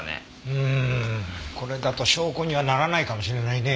うーんこれだと証拠にはならないかもしれないね。